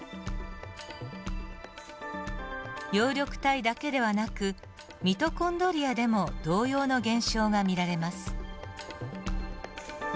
葉緑体だけではなくミトコンドリアでも同様の現象が見られます。